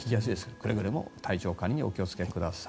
くれぐれも体調管理にお気を付けください。